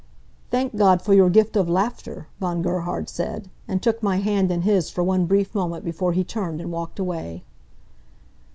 "Thank God for your gift of laughter," Von Gerhard said, and took my hand in his for one brief moment before he turned and walked away.